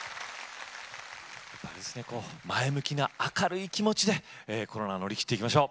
前向きな明るい気持ちでコロナを乗り切っていきましょう。